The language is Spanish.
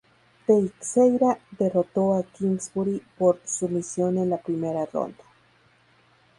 Teixeira derrotó a Kingsbury por sumisión en la primera ronda.